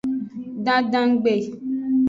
Dandangbe.